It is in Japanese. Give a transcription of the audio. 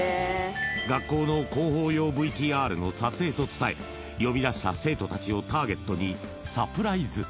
学校の広報用ＶＴＲの撮影と伝え、呼び出した生徒たちをターゲットにサプライズ。